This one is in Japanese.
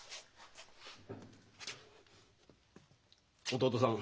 弟さん